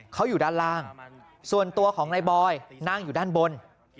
เขาอยู่ด้านล่างส่วนตัวของนายบอยนั่งอยู่ด้านบน